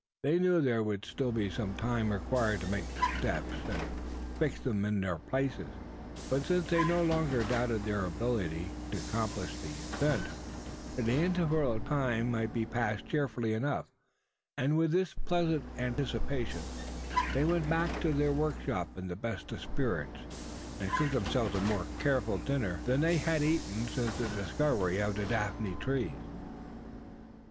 They knew there would still be some time required to make the steps, and fix them in their places; but, since they no longer doubted their ability to accomplish the ascent, the interval of time might be passed cheerfully enough; and, with this pleasant anticipation, they went back to their workshop in the best of spirits, and cooked themselves a more careful dinner than they had eaten since the discovery of the daphne trees.